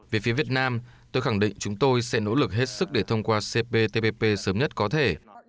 về phía việt nam tôi khẳng định chúng tôi sẽ nỗ lực hết sức để thông qua cptpp sớm nhất có thể